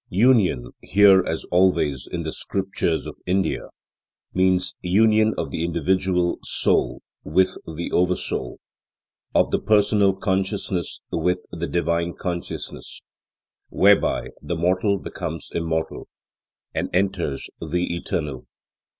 Union, here as always in the Scriptures of India, means union of the individual soul with the Oversoul; of the personal consciousness with the Divine Consciousness, whereby the mortal becomes immortal, and enters the Eternal.